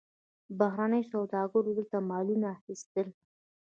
بهرنیو سوداګرو دلته مالونه اخیستل.